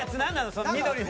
その緑の。